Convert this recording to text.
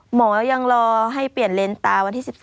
หมอยังรอให้เปลี่ยนเลนส์ตาวันที่๑๒